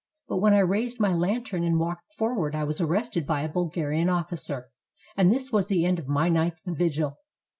But when I raised my lantern and walked forward I was arrested by a Bulgarian oflScer — and this was the end of my night's vigil.